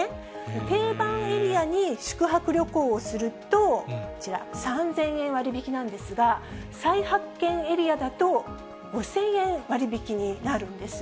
定番エリアに宿泊旅行をすると、こちら、３０００円割引なんですが、再発見エリアだと５０００円割り引きになるんです。